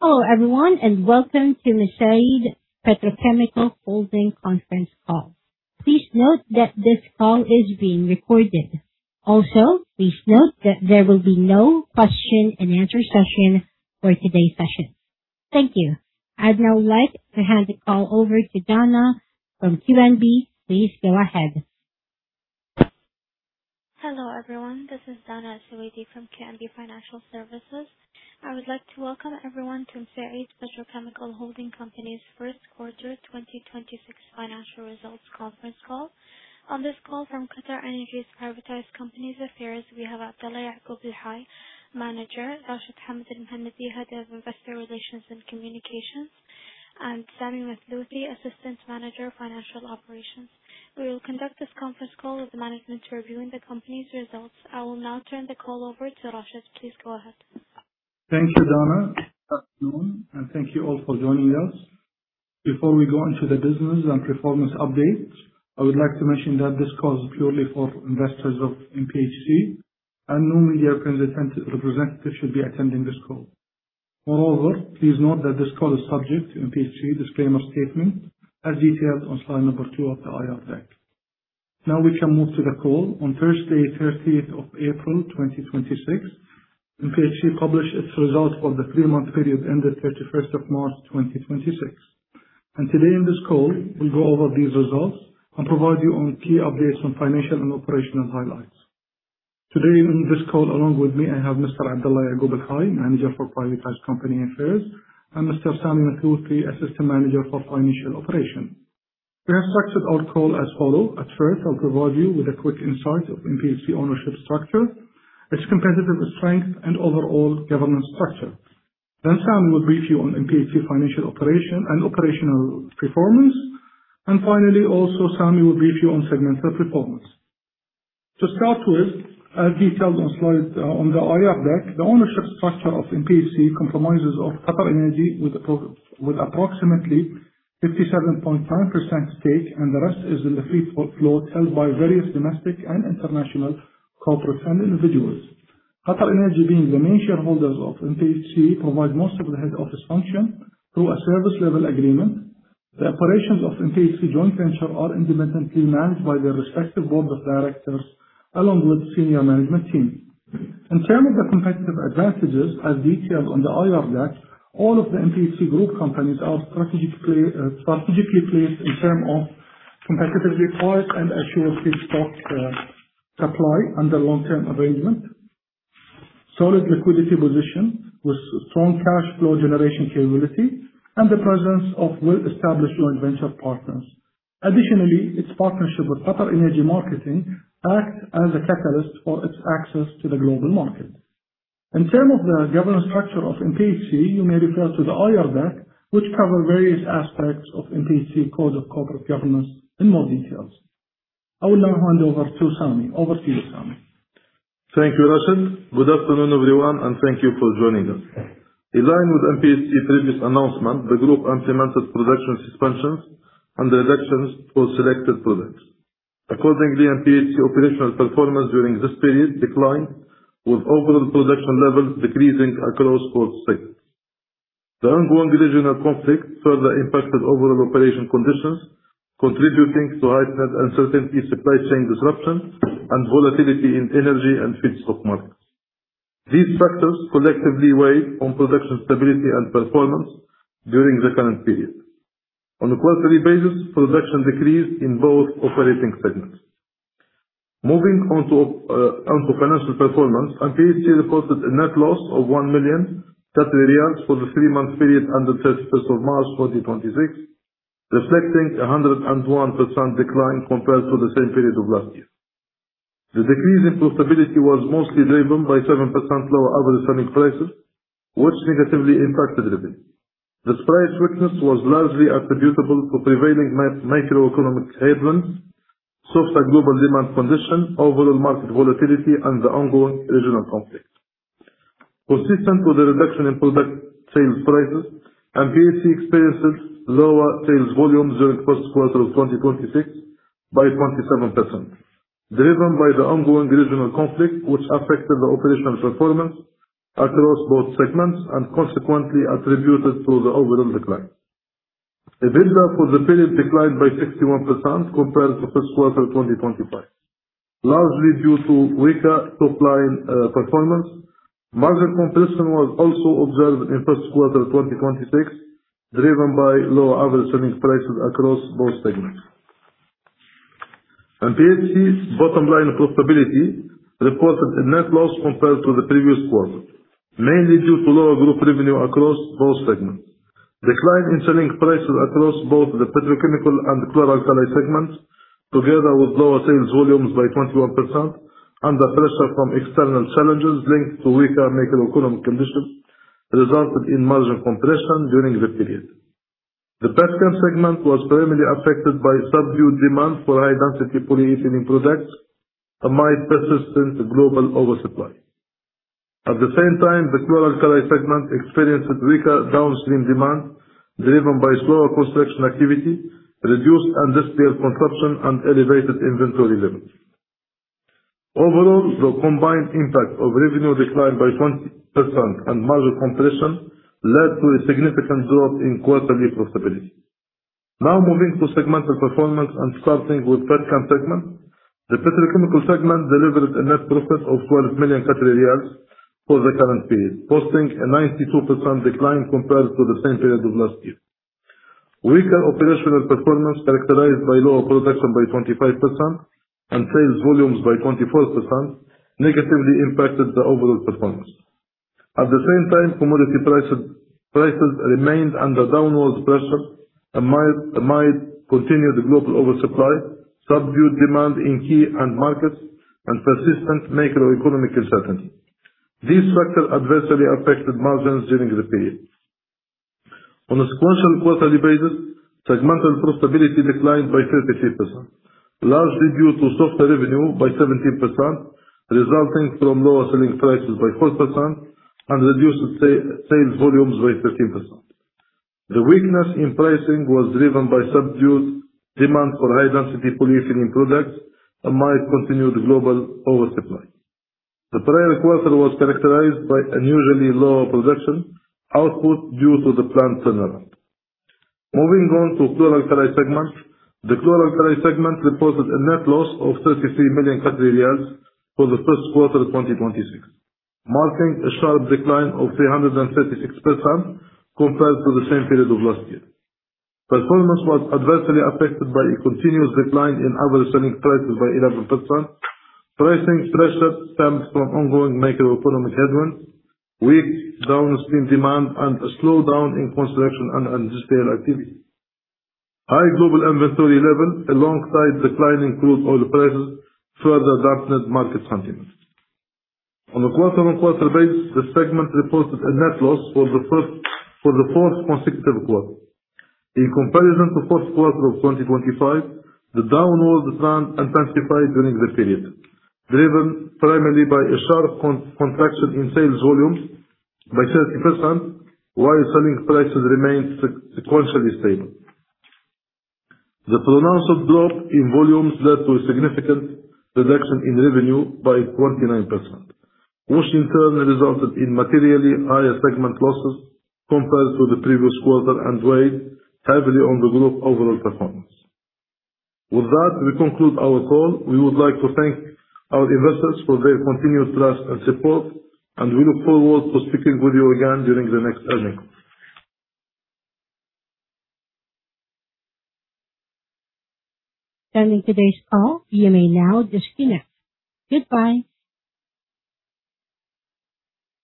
Hello everyone. Welcome to Mesaieed Petrochemical Holding conference call. Please note that this call is being recorded. Also, please note that there will be no question and answer session for today's session. Thank you. I would now like to hand the call over to Donna from QNB. Please go ahead. Hello, everyone. This is Donna El-Soueidi from QNB Financial Services. I would like to welcome everyone to Mesaieed Petrochemical Holding Company's first quarter 2026 financial results conference call. On this call from QatarEnergy's Privatized Companies Affairs, we have Abdulla Al-Hay, Manager, Rashid Hamad Al-Mohannadi, Head of Investor Relations and Communications, and Sami Mathlouthi, Assistant Manager of Financial Operations. We will conduct this conference call with the management reviewing the company's results. I will now turn the call over to Rashid. Please go ahead. Thank you, Donna. Good afternoon. Thank you all for joining us. Before we go into the business and performance update, I would like to mention that this call is purely for investors of MPHC. No media representatives should be attending this call. Please note that this call is subject to MPHC disclaimer statement as detailed on slide number two of the IR deck. We can move to the call. On Thursday, 13th of April 2026, MPHC published its results for the three-month period ending 31st of March 2026. Today in this call, we will go over these results and provide you on key updates on financial and operational highlights. Today on this call along with me, I have Mr. Abdulla Al-Hay, Manager for Privatized Companies Affairs, and Mr. Sami Mathlouthi, Assistant Manager for Financial Operations. We have structured our call as follow. First, I will provide you with a quick insight of MPHC ownership structure, its competitive strength. Overall governance structure. Sami will brief you on MPHC financial operation and operational performance. Finally, also, Sami will brief you on segmented performance. To start with, as detailed on the IR deck, the ownership structure of MPHC comprises of QatarEnergy with approximately 57.9% stake. The rest is in the free float held by various domestic and international corporates and individuals. QatarEnergy, being the main shareholders of MPHC, provide most of the head office function through a service level agreement. The operations of MPHC joint venture are independently managed by their respective Board of Directors along with senior management team. In terms of the competitive advantages as detailed on the IR deck, all of the MPHC group companies are strategically placed in terms of competitively priced and assured feedstock supply under long-term arrangement, solid liquidity position with strong cash flow generation capability, and the presence of well-established joint venture partners. Additionally, its partnership with QatarEnergy Marketing acts as a catalyst for its access to the global market. In terms of the governance structure of MPHC, you may refer to the IR deck, which cover various aspects of MPHC Code of Corporate Governance in more details. I will now hand over to Sami. Over to you, Sami. Thank you, Rashid. Good afternoon, everyone, and thank you for joining us. In line with MPHC previous announcement, the group implemented production suspensions and reductions for selected products. Accordingly, MPHC operational performance during this period declined, with overall production levels decreasing across both segments. The ongoing regional conflict further impacted overall operation conditions, contributing to heightened uncertainty, supply chain disruption, and volatility in energy and feedstock markets. These factors collectively weighed on production stability and performance during the current period. On a quarterly basis, production decreased in both operating segments. Moving on to financial performance, MPHC reported a net loss of 1 million for the three-month period ending 31st of March 2026, reflecting a 101% decline compared to the same period of last year. The decrease in profitability was mostly driven by 7% lower average selling prices, which negatively impacted revenue. This price weakness was largely attributable to prevailing macroeconomic headwinds, softer global demand conditions, overall market volatility, and the ongoing regional conflict. Consistent with the reduction in product sales prices, MPHC experiences lower sales volume during first quarter of 2026 by 27%, driven by the ongoing regional conflict, which affected the operational performance across both segments and consequently attributed to the overall decline. EBITDA for the period declined by 61% compared to first quarter 2025, largely due to weaker top-line performance. Margin compression was also observed in first quarter 2026, driven by lower average selling prices across both segments. MPHC's bottom line profitability reported a net loss compared to the previous quarter, mainly due to lower group revenue across both segments. Decline in selling prices across both the petrochemical and chloralkali segments, together with lower sales volumes by 21% under pressure from external challenges linked to weaker macroeconomic conditions, resulted in margin compression during the period. The Petchem segment was primarily affected by subdued demand for high-density polyethylene products amid persistent global oversupply. At the same time, the chloralkali segment experiences weaker downstream demand driven by slower construction activity, reduced industrial consumption, and elevated inventory levels. Overall, the combined impact of revenue decline by 20% and margin compression led to a significant drop in quarterly profitability. Now moving to segmental performance and starting with Petchem segment. The petrochemical segment delivered a net profit of 12 million Qatari riyals for the current period, posting a 92% decline compared to the same period of last year. Weaker operational performance characterized by lower production by 25% and sales volumes by 24% negatively impacted the overall performance. At the same time, commodity prices remained under downward pressure amid continued global oversupply, subdued demand in key end markets, and persistent macroeconomic uncertainty. These factors adversely affected margins during the period. On a sequential quarterly basis, segmental profitability declined by 33%, largely due to softer revenue by 17%, resulting from lower selling prices by 4% and reduced sales volumes by 13%. The weakness in pricing was driven by subdued demand for high-density polyethylene products amid continued global oversupply. The prior quarter was characterized by unusually lower production output due to the plant turnaround. Moving on to Chlor-Alkali segment. The Chlor-Alkali segment reported a net loss of 33 million Qatari riyals for the first quarter of 2026, marking a sharp decline of 336% compared to the same period of last year. Performance was adversely affected by a continuous decline in average selling prices by 11%. Pricing pressure stems from ongoing macroeconomic headwinds, weak downstream demand, and a slowdown in construction and industrial activity. High global inventory levels alongside declining crude oil prices further darkened market sentiment. On a quarter-on-quarter base, the segment reported a net loss for the fourth consecutive quarter. In comparison to fourth quarter of 2025, the downward trend intensified during the period, driven primarily by a sharp contraction in sales volumes by 30%, while selling prices remained sequentially stable. The pronounced drop in volumes led to a significant reduction in revenue by 29%, which in turn resulted in materially higher segment losses compared to the previous quarter and weighed heavily on the group overall performance. With that, we conclude our call. We would like to thank our investors for their continued trust and support, and we look forward to speaking with you again during the next earnings. Ending today's call. You may now disconnect. Goodbye